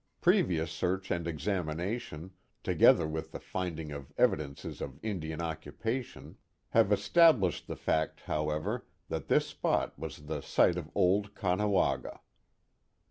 Previous search and examination, together with the finding of evidences of Indian occupation, have estab Old Indian Names and Sites 353 lished the fact, however, that this spot was the site of old Caughnawaga.